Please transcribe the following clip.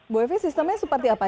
bu evi sistemnya seperti apa